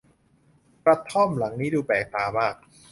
กระท่อมหลังนี้ดูแปลกตามาก